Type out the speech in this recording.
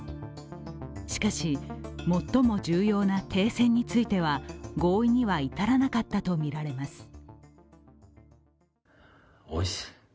しかし、最も重要な停戦については合意には至らなかったとみられます。